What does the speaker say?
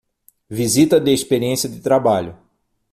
Visita de experiência de trabalho